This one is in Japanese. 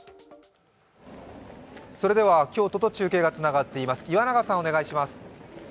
京都と中継がつながっています。